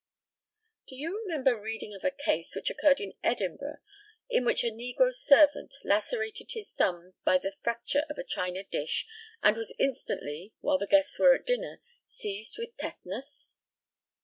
Do you remember reading of a case which occurred at Edinburgh, in which a negro servant lacerated his thumb by the fracture of a china dish, and was instantly, while the guests were at dinner, seized with tetanus?